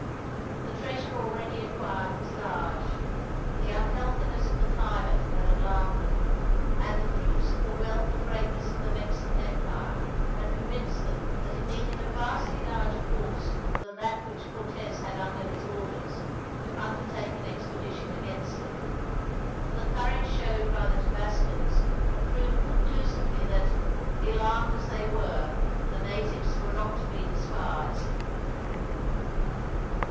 The treasure already acquired was large, the unhealthiness of the climate had alarmed them, and the proofs of the wealth and greatness of the Mexican Empire had convinced them that it needed a vastly larger force than that which Cortez had under his orders to undertake an expedition against it; for the courage showed by the Tabascans had proved conclusively that, ill armed as they were, the natives were not to be despised.